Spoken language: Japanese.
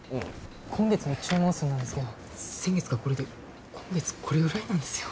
今月の注文数なんですけど先月がこれで今月これぐらいなんですよ。